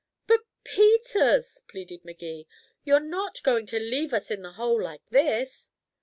"But, Peters," pleaded Magee, "you're not going to leave us in the hole like this?"